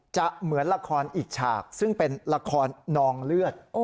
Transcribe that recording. เหมือนละครอีกฉากซึ่งเป็นละครนองเลือด